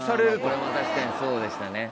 これも確かにそうでしたね。